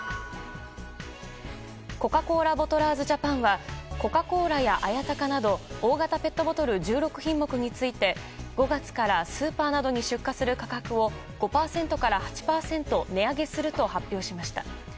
コカ・コーラボトラーズジャパンは、コカ・コーラや綾鷹など、大型ペットボトル１６品目について、５月からスーパーなどに出荷する価格を、５％から８％値上げすると発表しました。